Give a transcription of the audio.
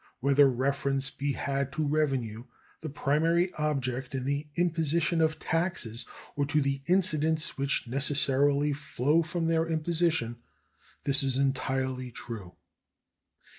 Whether reference be had to revenue, the primary object in the imposition of taxes, or to the incidents which necessarily flow from their imposition, this is entirely true.